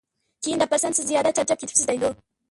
كېيىن دەپ بەرسەم، سىز زىيادە چارچاپ كېتىپسىز دەيدۇ.